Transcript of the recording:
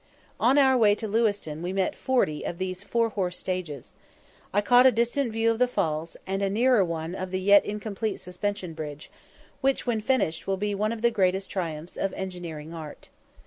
On our way to Lewiston we met forty of these four horse stages. I caught a distant view of the falls, and a nearer one of the yet incomplete suspension bridge, which, when finished, will be one of the greatest triumphs of engineering art.